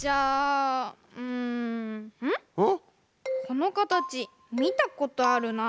このかたちみたことあるな。